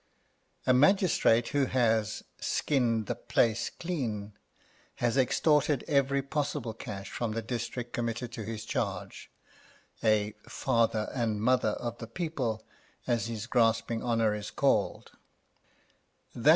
A magistrate who has skinned the place clean, has extorted every possible cash from the district committed to his charge a "father and mother" of the people, as his grasping honour is called.